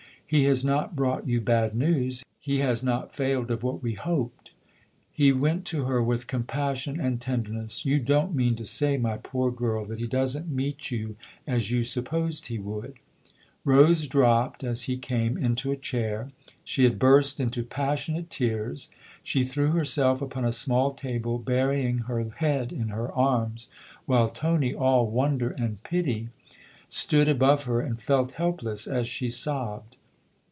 " He has not brought you bad news he has not failed of what we hoped ?" He went to her with compassion and tenderness :" You don't mean to say, my poor girl, that he doesn't meet you as you supposed he would ?" Rose dropped, as he came, into a chair; she had burst into passionate tears. She threw herself upon a small table, burying her head in her arms, while Tony, all wonder and pity, stood above her and felt helpless as she sobbed.